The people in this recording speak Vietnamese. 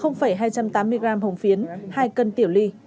hai trăm tám mươi gram hồng phiến hai cân tiểu ly